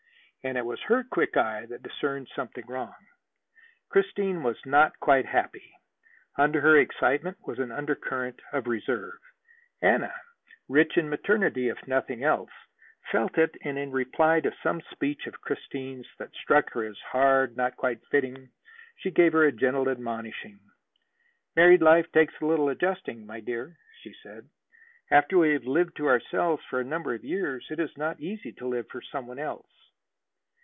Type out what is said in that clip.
And it was her quick eye that discerned something wrong. Christine was not quite happy. Under her excitement was an undercurrent of reserve. Anna, rich in maternity if in nothing else, felt it, and in reply to some speech of Christine's that struck her as hard, not quite fitting, she gave her a gentle admonishing. "Married life takes a little adjusting, my dear," she said. "After we have lived to ourselves for a number of years, it is not easy to live for some one else."